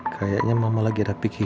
kayaknya mama lagi ada pikiran